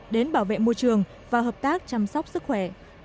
đến bảo vệ môi trường và hợp tác chăm sóc sức khỏe